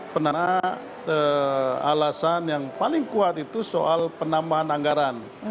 karena alasan yang paling kuat itu soal penambahan anggaran